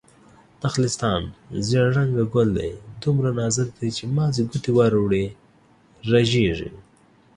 نخلستان: زيړ رنګه ګل دی، دومره نازک دی چې مازې ګوتې ور وړې رژيږي